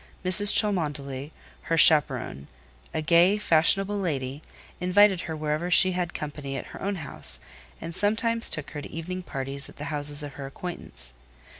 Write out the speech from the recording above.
Mrs. Cholmondeley—her chaperon—a gay, fashionable lady, invited her whenever she had company at her own house, and sometimes took her to evening parties at the houses of her acquaintance.